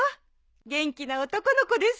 元気な男の子です。